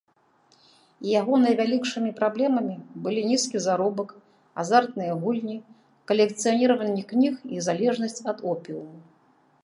Яго найвялікшымі праблемамі былі нізкі заробак, азартныя гульні, калекцыяніраванне кніг і залежнасць ад опіуму.